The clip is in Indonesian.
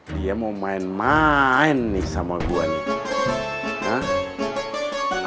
dia mau main main nih sama gua nih